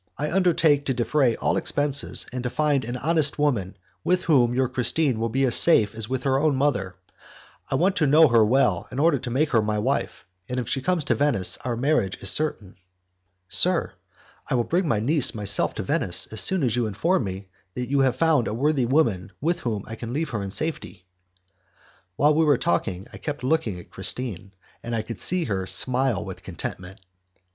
I undertake to defray all expenses, and to find an honest woman with whom your Christine will be as safe as with her own mother. I want to know her well in order to make her my wife, and if she comes to Venice our marriage is certain." "Sir, I will bring my niece myself to Venice as soon as you inform me that you have found a worthy woman with whom I can leave her in safety." While we were talking I kept looking at Christine, and I could see her smile with contentment.